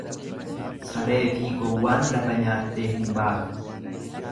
Sareefi gowwaan lafa nyaattee hin baatu.